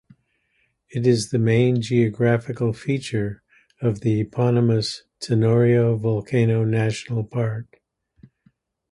It is the main geographical feature of the eponymous Tenorio Volcano National Park.